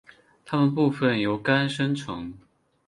它们部分由肝生成。